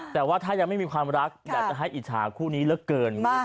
แต่ว่าถ้ายังไม่มีความรักอยากจะให้อิจฉาคู่นี้เหลือเกิน